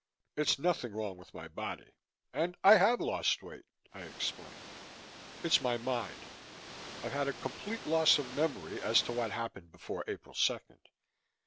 "It's nothing wrong with my body, and I have lost weight," I explained. "It's my mind. I've had a complete loss of memory as to what happened before April second.